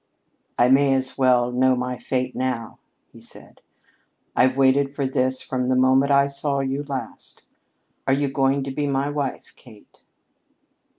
"I may as well know my fate now," he said. "I've waited for this from the moment I saw you last. Are you going to be my wife, Kate?"